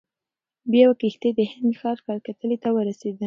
بیا په کښتۍ کې د هند ښار کلکتې ته ورسېد.